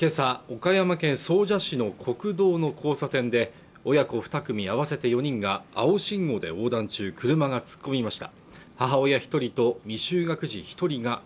岡山県総社市の国道の交差点で親子２組合わせて４人が青信号で横断中車が突っ込みました